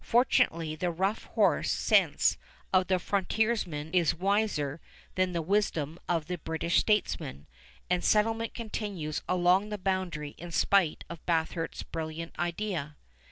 Fortunately the rough horse sense of the frontiersman is wiser than the wisdom of the British statesman, and settlement continues along the boundary in spite of Bathurst's brilliant idea.